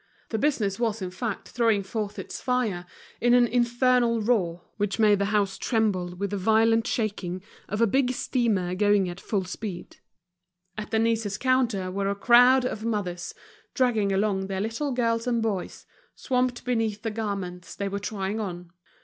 The business was in fact throwing forth its fire, in an infernal roar, which made the house tremble with the violent shaking of a big steamer going at full speed. At Denise's counter were a crowd of mothers dragging along their little girls and boys, swamped beneath the garments they were trying on.